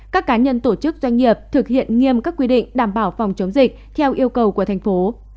các cá nhân tổ chức doanh nghiệp thực hiện nghiêm các quy định đảm bảo phòng chống dịch theo yêu cầu của thành phố